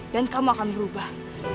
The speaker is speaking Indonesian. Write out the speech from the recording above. dan kamu akan berubah